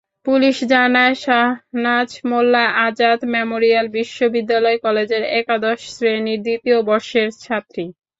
Police জানায়, Shahnaz Molla Azad memorial বিশ্ববিদ্যালয় কলেজের একাদশ শ্রেণির দ্বিতীয় বর্ষের ছাত্রী।